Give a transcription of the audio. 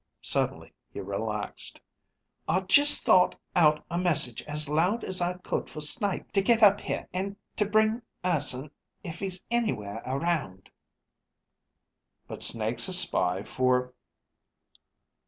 Suddenly he relaxed. "I just thought out a message as loud as I could for Snake to get up here and to bring Urson if he's anywhere around." "But Snake's a spy for